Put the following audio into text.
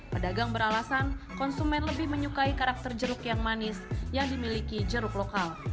pedagang beralasan konsumen lebih menyukai karakter jeruk yang manis yang dimiliki jeruk lokal